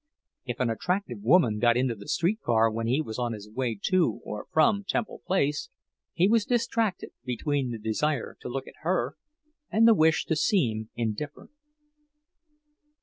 If an attractive woman got into the street car when he was on his way to or from Temple Place, he was distracted between the desire to look at her and the wish to seem indifferent.